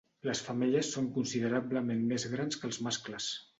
Les femelles són considerablement més grans que els mascles.